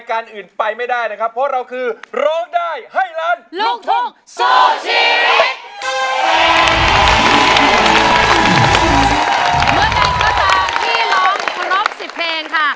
เมื่อใดก็ตามที่ร้องครบ๑๐เพลงค่ะ